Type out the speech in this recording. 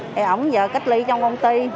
thì ổng giờ cách ly trong công ty